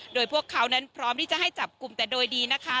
โดยพวกเขานั้นพร้อมที่จะให้จับกลุ่มแต่โดยดีนะคะ